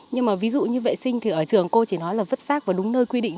nhưng mà ví dụ như vệ sinh thì ở trường cô chỉ nói là vứt xác vào đúng nơi quy định